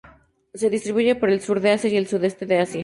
Se distribuye por el Sur de Asia y el Sudeste de Asia.